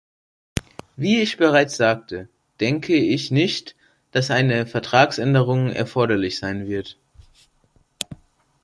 Wie ich bereits sagte, denke ich nicht, dass eine Vertragsänderung erforderlich sein wird.